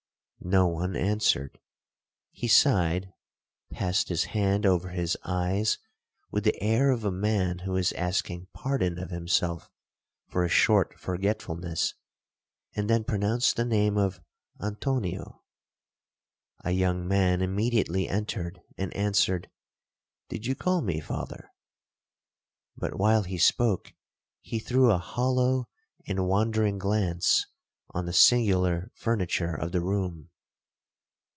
No one answered. He sighed, passed his hand over his eyes with the air of a man who is asking pardon of himself for a short forgetfulness, and then pronounced the name of 'Antonio.' A young man immediately entered, and answered, 'Did you call me, Father?'—But while he spoke, he threw a hollow and wandering glance on the singular furniture of the room.